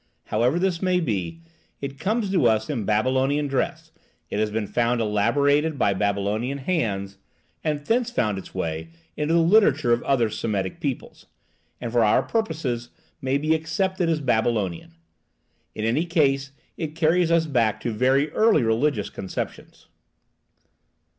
However this may be, it comes to us in Babylonian dress, it has been elaborated by Babylonian hands, has thence found its way into the literature of other Semitic peoples, and for our purposes may be accepted as Babylonian. In any case it carries us back to very early religious conceptions.